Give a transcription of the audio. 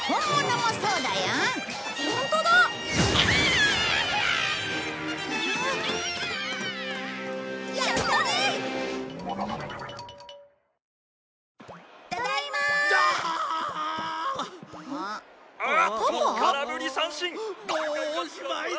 もうおしまいだ！